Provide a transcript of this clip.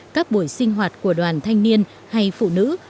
các buổi sinh hoạt của đoàn thanh niên hay phụ nữ